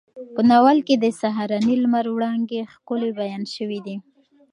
په ناول کې د سهارني لمر وړانګې ښکلې بیان شوې دي.